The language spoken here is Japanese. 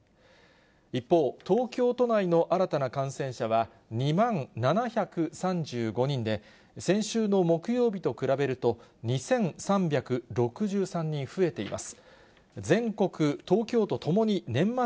一方、東京都内の新たな感染者は、２万７３５人で、先週の木曜日と比べると、２３６３人増えています。